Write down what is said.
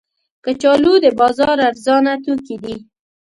کچالو د بازار ارزانه توکي دي